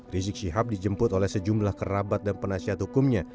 rizik syihab dijemput oleh sejumlah kerabat dan penasihat hukumnya